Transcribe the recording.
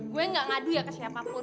gue gak ngadu ya ke siapapun